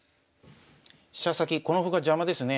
飛車先この歩が邪魔ですね。